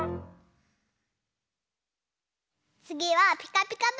つぎは「ピカピカブ！」。